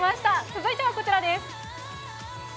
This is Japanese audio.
続いてはこちらです。